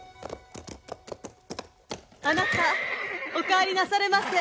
あなたお帰りなされませ。